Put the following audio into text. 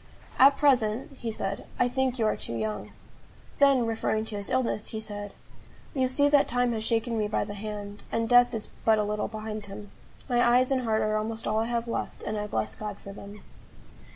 "At present," he said, "I think you are too young." Then, referring to his illness, he said: "You see that time has shaken me by the hand; and death is but a little behind him. My eyes and heart are almost all I have left, and I bless God for them."